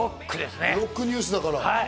ロックニュースだから。